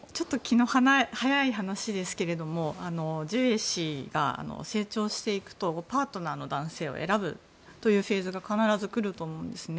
気の早い話ですけれどもジュエ氏が成長していくとパートナーの男性を選ぶというフェーズが必ず来ると思うんですね。